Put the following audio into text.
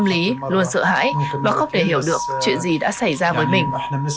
cháu không có tâm lý luôn sợ hãi và không thể hiểu được chuyện gì đã xảy ra với mình